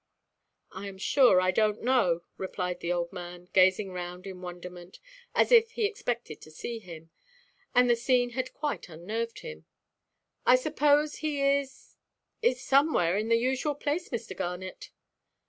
"I am sure I donʼt know," replied the old man, gazing round in wonderment, as if he expected to see Him—for the scene had quite unnerved him—"I suppose He is—is somewhere in the usual place, Mr. Garnet."